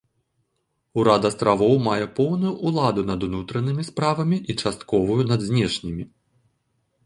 Урад астравоў мае поўную ўладу над унутранымі справамі і частковую над знешнімі.